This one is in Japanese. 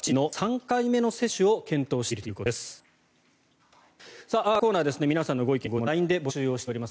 このコーナーでは皆さんのご意見・ご質問をＬＩＮＥで募集しております。